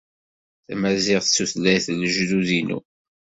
Tamaziɣt d tutlayt n lejdud-inu.